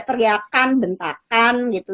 teriakan bentakan gitu